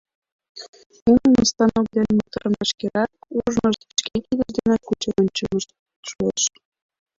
Нунын у станок ден моторым вашкерак ужмышт, шке кидышт денак кучен ончымышт шуэш.